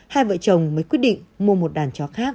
hai vợ chồng mới quyết định mua một đàn chó khác